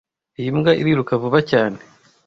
Iyi mbwa iriruka vuba cyane